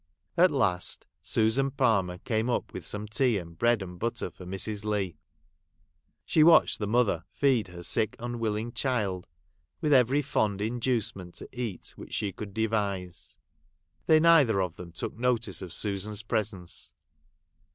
At last Susan Palmer came up with some tea and bread and butter for Mrs. Leigh. She watched the mother feed her sick, unwilling child, with every fond inducement to eat which she could devise ; they neither of them took notice of Susan's presence.